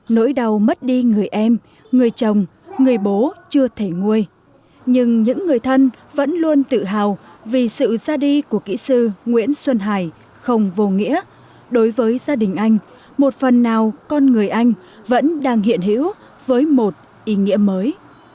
nỗi đau mất đi người em người chồng người bố chưa thể nguôi nhưng những người thân vẫn luôn tự hào vì sự ra đi của kỹ sư nguyễn xuân hải không vô nghĩa đối với gia đình anh một phần nào con người anh vẫn đang hiện hữu với một ý nghĩa mới